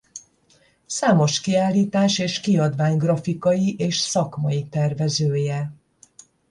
Számos kiállítás és kiadvány grafikai és szakmai tervezője.